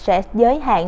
sẽ giới hạn